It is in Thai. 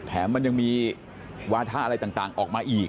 มันยังมีวาทะอะไรต่างออกมาอีก